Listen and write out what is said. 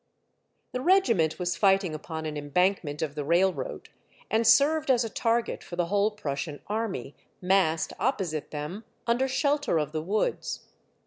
I. The regiment was fighting upon an embank ment of the railroad, and served as a target for the whole Prussian army, massed opposite them, under shelter of the woods.